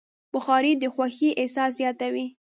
بخاري د خوښۍ احساس زیاتوي.